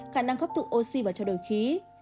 khả năng khắp thụ oxy và trao đổi khí